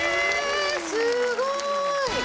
すごーい！